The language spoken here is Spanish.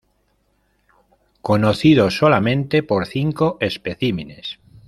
Conocido solamente por cinco especímenes.